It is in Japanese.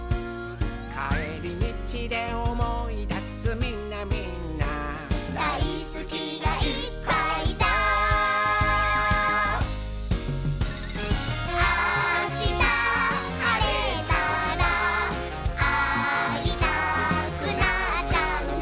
「かえりみちでおもいだすみんなみんな」「だいすきがいっぱいだ」「あしたはれたらあいたくなっちゃうね」